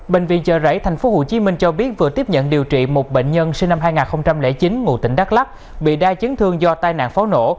bệnh viện chờ rảy tp hcm cho biết vừa tiếp nhận điều trị một bệnh nhân sinh năm hai nghìn chín ngủ tỉnh đắk lắk bị đai chứng thương do tai nạn phó nổ